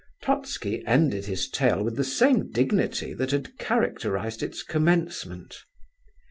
Totski ended his tale with the same dignity that had characterized its commencement.